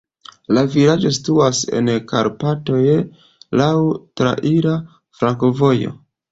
La vilaĝo situas en Karpatoj, laŭ traira flankovojo.